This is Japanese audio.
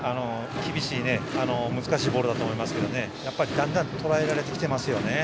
厳しい難しいボールだと思いますけどだんだんとらえられてきています。